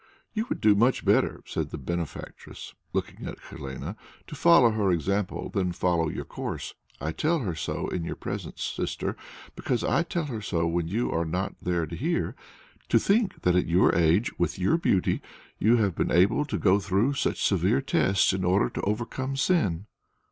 "You would do much better," said the "benefactress," looking at Helene, "to follow her example than to follow your course; I tell her so in your presence, Sister, because I tell her so when you are not there to hear. To think that at your age, with your beauty, you have been able to go through such severe tests in order to overcome sin!"